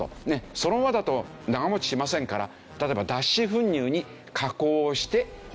そのままだと長持ちしませんから例えば脱脂粉乳に加工して保管しようとして。